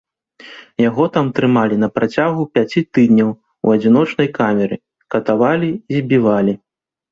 Яго там трымалі на працягу пяці тыдняў у адзіночнай камеры, катавалі і збівалі.